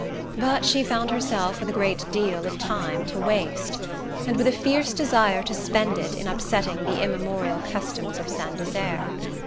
But she found herself with a great deal of time to waste, and with a fierce desire to spend it in upsetting the immemorial customs of Saint Desert.